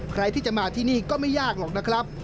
ใครที่จะมาที่นี่ก็ไม่ยากหรอกนะครับ